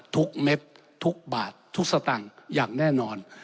เม็ดทุกบาททุกสตางค์อย่างแน่นอน